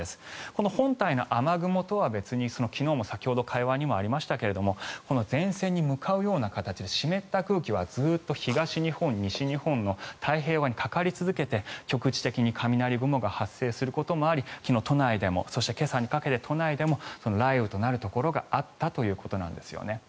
この本体の雨雲とは別に昨日も先ほど、会話にもありましたがこの前線に向かうような形で湿った空気はずっと東日本、西日本の太平洋側にかかり続けて局地的に雷雲が発生することもあり昨日、都内でもそして今朝にかけて都内でも雷雨となるところがあったということなんですよね。